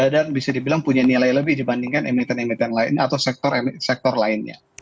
dan bisa dibilang punya nilai lebih dibandingkan emiten emiten lain atau sektor sektor lainnya